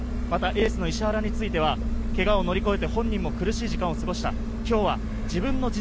エースの石原についてはけがを乗り越えて、本人も苦しい時間を過ごした。